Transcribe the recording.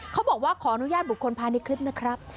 เขาบอกว่าขออนุญาตบุคคลภายในคลิปนะครับ